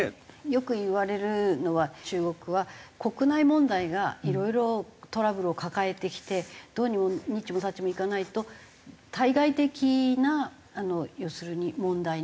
よく言われるのは中国は国内問題がいろいろトラブルを抱えてきてどうにもにっちもさっちもいかないと対外的な要するに問題にすり替えるっていう事をよく。